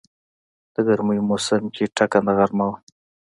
د ګرمی موسم کې ټکنده غرمه وه.